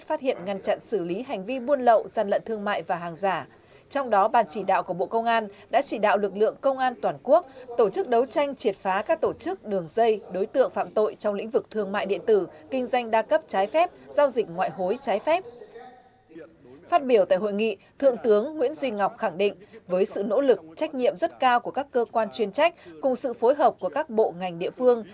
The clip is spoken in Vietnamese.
phát biểu tại hội nghị thượng tướng nguyễn duy ngọc khẳng định với sự nỗ lực trách nhiệm rất cao của các cơ quan chuyên trách cùng sự phối hợp của các bộ ngành địa phương